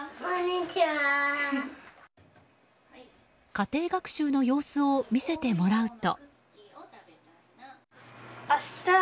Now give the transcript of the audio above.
家庭学習の様子を見せてもらうと。